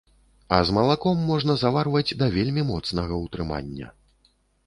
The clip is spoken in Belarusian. А з малаком можна заварваць да вельмі моцнага ўтрымання.